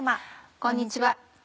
こんにちは。